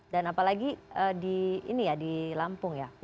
dan apalagi di lampung ya